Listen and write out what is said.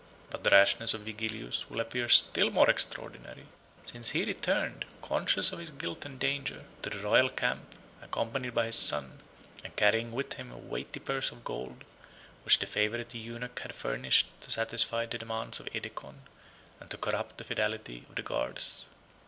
But the rashness of Vigilius will appear still more extraordinary, since he returned, conscious of his guilt and danger, to the royal camp, accompanied by his son, and carrying with him a weighty purse of gold, which the favorite eunuch had furnished, to satisfy the demands of Edecon, and to corrupt the fidelity of the guards.